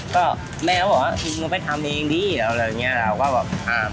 ก็แม่บอกว่าเธอไปทำเองดิแล้วอะไรอย่างนี้เราก็แบบ